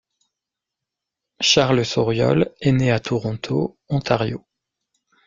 Charles Sauriol est né à Toronto, Ontario.